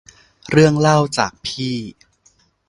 เรื่องเล่าจากพี่